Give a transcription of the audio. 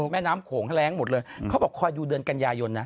แม่น้ำโขงแรงหมดเลยเขาบอกคอยดูเดือนกันยายนนะ